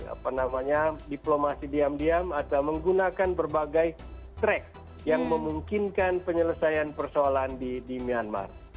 apa namanya diplomasi diam diam atau menggunakan berbagai track yang memungkinkan penyelesaian persoalan di myanmar